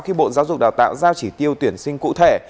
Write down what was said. khi bộ giáo dục đào tạo giao chỉ tiêu tuyển sinh cụ thể